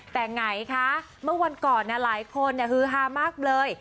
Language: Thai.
แต่ไงคะเมื่อวันก่อนหลายคนฮือฮามากเลย